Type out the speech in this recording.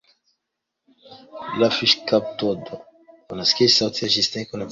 La fiŝkaptado estas cetera grava branĉo.